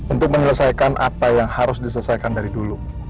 untuk menyelesaikan apa yang harus diselesaikan dari dulu